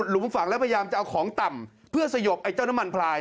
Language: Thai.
ฝังแล้วพยายามจะเอาของต่ำเพื่อสยบไอ้เจ้าน้ำมันพลาย